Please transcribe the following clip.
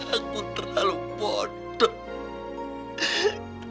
aku terlalu bodoh